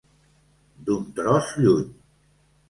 D'un tros lluny.